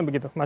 nah ini dia